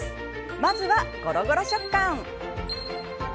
まずは、ゴロゴロ食感。